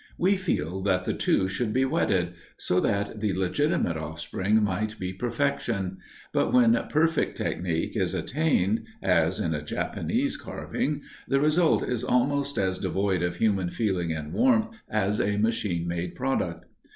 We feel that the two should be wedded, so that the legitimate offspring might be perfection; but when perfect technique is attained, as in a Japanese carving, the result is almost as devoid of human feeling and warmth as a machine made product.